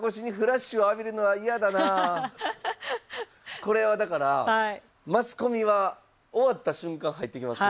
これはだからマスコミは終わった瞬間入ってきます。